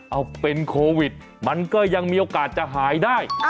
เอาเป็นโควิดมันก็ยังมีโอกาสจะหายได้